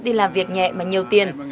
đi làm việc nhẹ mà nhiều tiền